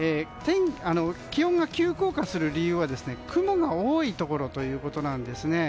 気温が急降下する理由は雲が多いところということなんですね。